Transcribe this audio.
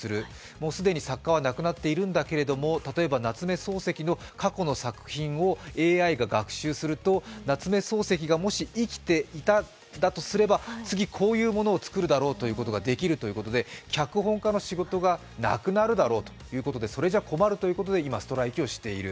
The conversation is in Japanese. もう既に作家は亡くなっているんだけども例えば夏目漱石の過去の作品をＡＩが学習すると夏目漱石がもし生きていたとすれば次、こういうものを作るだろうというものができるということで脚本家の仕事がなくなるだろうということでそれじゃ困るということで今ストライキをしている。